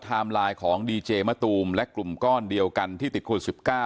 ไลน์ของดีเจมะตูมและกลุ่มก้อนเดียวกันที่ติดโควิด๑๙